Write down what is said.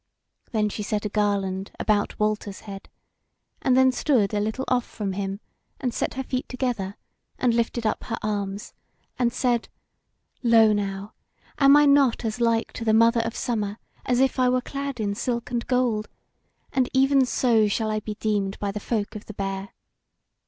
Then she set a garland about Walter's head, and then stood a little off from him and set her feet together, and lifted up her arms, and said: "Lo now! am I not as like to the Mother of Summer as if I were clad in silk and gold? and even so shall I be deemed by the folk of the Bear.